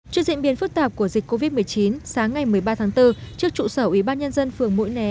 trước diễn biến phức tạp của dịch covid một mươi chín sáng ngày một mươi ba tháng bốn trước trụ sở ủy ban nhân dân phường mũi né